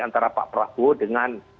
antara pak prabowo dengan